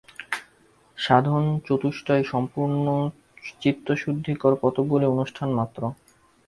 সাধনচতুষ্টয় সম্পূর্ণ চিত্তশুদ্ধিকর কতকগুলি অনুষ্ঠানমাত্র।